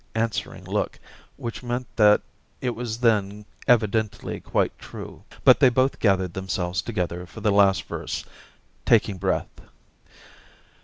answering look which meant that it was then evidently quite true. But they both gathered themselves together for the last verse, taking breath.